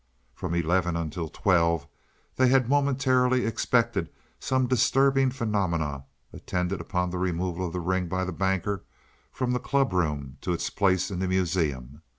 From eleven until twelve they had momentarily expected some disturbing phenomena attendant upon the removal of the ring by the Banker from the clubroom to its place in the Museum.